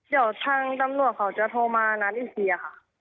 เดี๋ยวทางตำรวจเขาจะโทรมานัดอีกทีค่ะ